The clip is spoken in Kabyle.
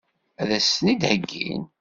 Ad as-ten-id-heggin?